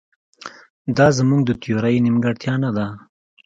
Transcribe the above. دا زموږ د تیورۍ نیمګړتیا نه ده.